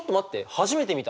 初めて見た。